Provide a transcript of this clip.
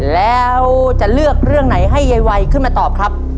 แล้วจะเลือกเรื่องไหนให้ยายวัยขึ้นมาตอบครับ